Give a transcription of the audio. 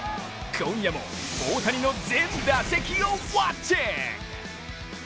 今夜も大谷の全打席をウオッチング！